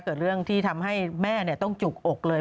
เกิดเรื่องที่ทำให้แม่ต้องจุกอกเลย